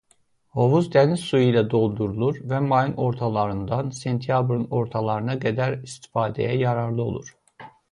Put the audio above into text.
Hovuz dəniz suyu ilə doldurulur və mayın ortalarından sentyabrın ortalarına qədər istifadəyə yararlı olur.